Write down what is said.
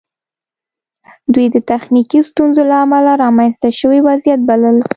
دوی د تخنیکي ستونزو له امله رامنځته شوی وضعیت بلل